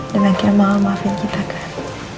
dan yang kira mama maafin kita kan